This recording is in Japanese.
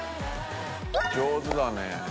上手だね。